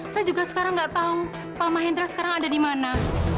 saya juga sekarang nggak tahu pak mahendra sekarang ada di mana